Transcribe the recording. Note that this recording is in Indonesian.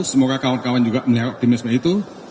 semoga kawan kawan juga melihat optimisme itu